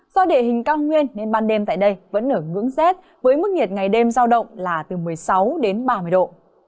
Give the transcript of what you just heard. do địa hình cao nguyên nên ban đêm tại đây vẫn ở ngưỡng rét với mức nhiệt ngày đêm giao động là từ một mươi sáu đến ba mươi độ